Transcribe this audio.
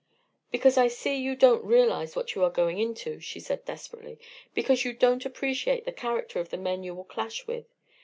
"Because I see you don't realize what you are going into," she said, desperately. "Because you don't appreciate the character of the men you will clash with.